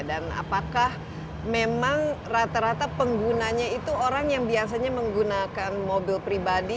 dan apakah memang rata rata penggunanya itu orang yang biasanya menggunakan mobil pribadi